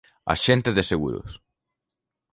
Axente de seguros.